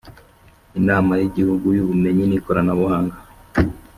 Inama y’ Igihugu y’ Ubumenyi n Ikoranabuhanga